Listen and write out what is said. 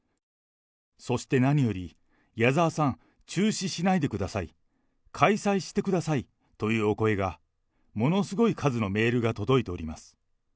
そして何より、矢沢さん、中止しないでください、開催してくださいというお声が、ものすごい数のメールが届いております。